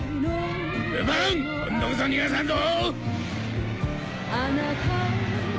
ルパン今度こそ逃がさんぞ！